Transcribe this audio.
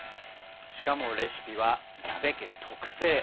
しかもレシピは矢部家特製。